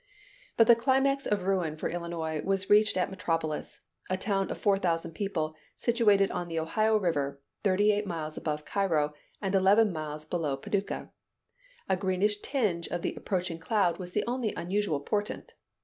But the climax of ruin for Illinois was reached at Metropolis, a town of 4,000 people, situated on the Ohio River, thirty eight miles above Cairo, and eleven miles below Paducah. A greenish tinge of the approaching cloud was the only unusual portent.